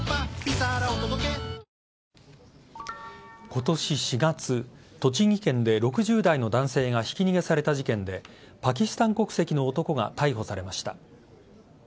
今年４月、栃木県で６０代の男性がひき逃げされた事件でパキスタン国籍の男が逮捕されました。